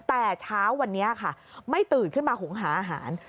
แต่เช้าวันนี้ค่ะไม่ตื่นขึ้นมาหงหาอาหาร